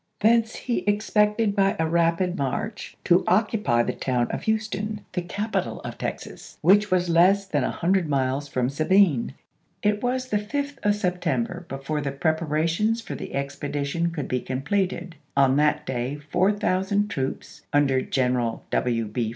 Thence he expected by a rapid march to occupy the town of Houston, the capital of Texas, which was less than a hundred miles from Sabine. It was the 5th 1863. of September before the preparations for the ex pedition could be completed; on that day 4000 troops, under General W.